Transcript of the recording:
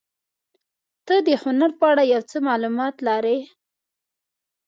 ته د هنر په اړه یو څه معلومات لرې؟